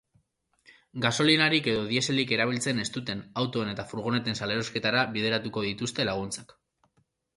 Gasolinarik edo dieselik erabiltzen ez duten autoen eta furgoneten salerosketara bideratuko dituzte laguntzak.